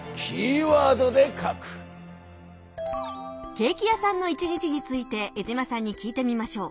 ケーキ屋さんの１日について江島さんに聞いてみましょう。